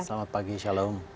selamat pagi shalom